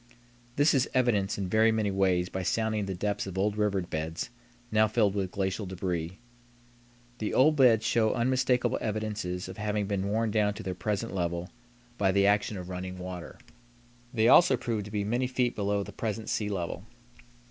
This is evidenced in very many ways by sounding the depths of old river beds now filled with glacial débris. The old beds show unmistakable evidences of having been worn down to their present level by the action of running water. They also prove to be many feet below the present sea level.